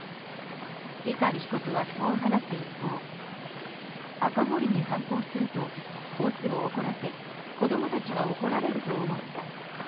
碇被告は、そう話す一方赤堀に反抗するとボスを怒らせ子供たちが怒られると思った。